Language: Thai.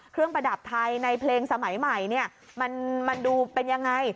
เครื่องประดับไทยในเพลงสมัยใหม่มันดูเป็นอย่างไร